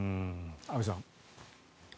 安部さん。